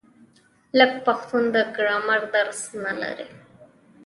لر پښتون د ګرامر درس نه لري.